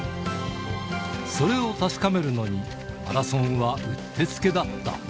それを確かめるのに、マラソンはうってつけだった。